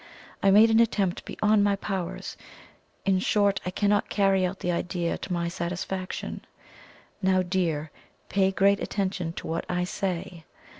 I made an attempt beyond my powers in short, I cannot carry out the idea to my satisfaction. Now, dear, pay great attention to what I say.